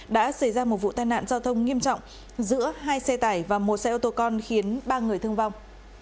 đã xảy ra một vụ tai nạn giao thông nghiêm trọng giữa hai xe tải và một xe ô tô con khiến ba người thương vong